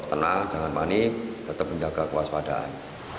tenang jangan panik tetap menjaga kewaspadaan